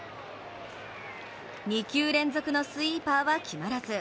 ２球連続のスイーパーは決まらず。